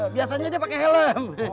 biasanya dia pakai helm